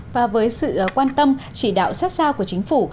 và với sự quan tâm chỉ đạo sát sao của chính phủ